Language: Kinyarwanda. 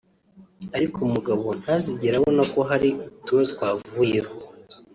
ariko umugabo ntazigere abona ko hari uturo twavuyeho